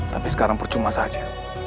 tapi sekarang percuma saja